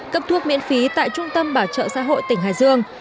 cấp thuốc miễn phí tại trung tâm bảo trợ xã hội tỉnh hải dương